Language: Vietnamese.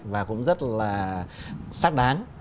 và cũng rất là sắc đáng